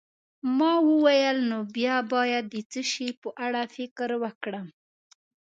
ما وویل: نو بیا باید د څه شي په اړه فکر وکړم؟